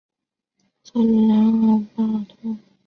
特鲁莱拉巴尔特。